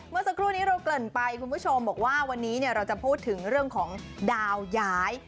เมื่อสักครู่นี้เราเกริ่นไปคุณผู้ชมบอกว่าวันนี้เราจะพูดถึงเรื่องของดาวย้าย